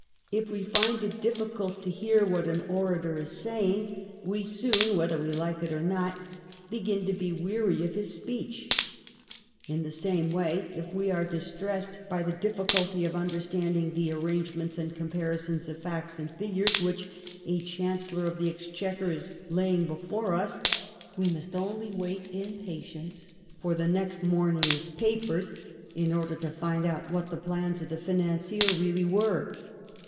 If we find it difficult to hear what an orator is saying, we soon, whether we like it or not, begin to be weary of his speech. In the same way, if we are dis tressed by the difficulty of understanding the arrangements and comparisons of facts and figures which a Chancellor of the Exchequer is laying be fore us, we must only wait in patience for next A COALITION GOVERNMENT 177 morning's papers in order to find out what the plans of the financier really were.